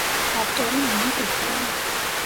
ავტორი: ნინო ყიფიანი.